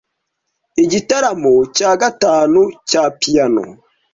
Igitaramo cya gatanu cya piyano